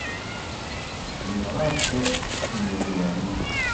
Yenɣa-t s tmeẓyant.